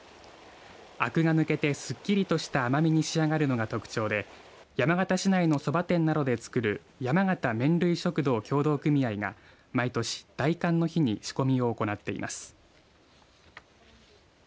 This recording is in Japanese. あくが抜けてすっきりとした甘みに仕上がるのが特徴で山形市内のそば店などでつくる山形麺類食堂協同組合が毎年、大寒の日に仕込みを行っています。